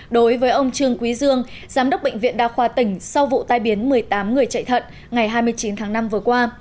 đối với ông trương quý dương giám đốc bệnh viện đa khoa tỉnh sau vụ tai biến một mươi tám người chạy thận ngày hai mươi chín tháng năm vừa qua